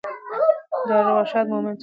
د ارواښاد مومند صیب د پښتو ګرانه ده لیک